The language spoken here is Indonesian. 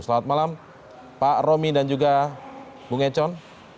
selamat malam pak romi dan juga bung econ